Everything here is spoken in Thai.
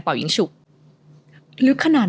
เป่ายิ่งฉุก